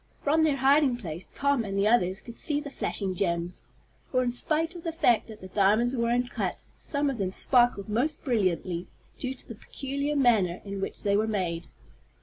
From their hiding place Tom and the others could see the flashing gems, for, in spite of the fact that the diamonds were uncut, some of them sparkled most brilliantly, due to the peculiar manner in which they were made.